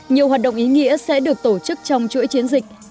nhiều hoạt động ý nghĩa sẽ được tổ chức trong chuỗi chiến dịch